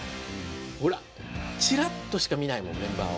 ほらチラッとしか見ないもんメンバーを。